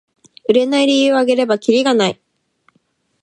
売れない理由をあげればキリがない